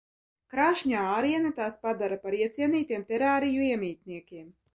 Krāšņā āriene tās padara par iecienītiem terāriju iemītniekiem.